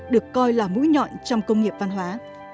được coi là mũi nhọn trong công nghiệp văn hóa